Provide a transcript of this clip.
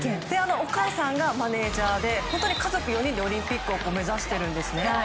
お母さんがマネジャーで本当に家族４人でオリンピックを目指しているんです。